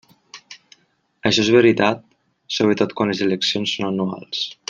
Això és veritat sobretot quan les eleccions són anuals.